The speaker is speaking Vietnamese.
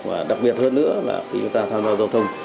và đặc biệt hơn nữa là khi chúng ta tham gia giao thông